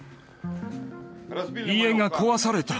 家が壊された。